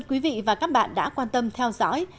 cảm ơn quý vị và các bạn đã quan tâm theo dõi